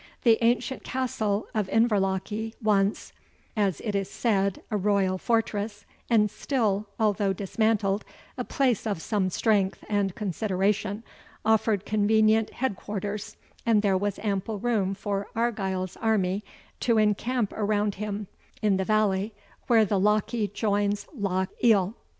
The ancient Castle of Inverlochy, once, as it is said, a royal fortress, and still, although dismantled, a place of some strength and consideration, offered convenient head quarters, and there was ample room for Argyle's army to encamp around him in the valley, where the Lochy joins Loch Eil.